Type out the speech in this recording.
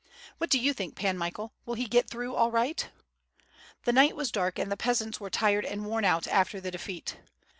What do you think, Pan Michael, will he get through all right?'' "The night was dark and the peasants were tired and worn out after the defeat.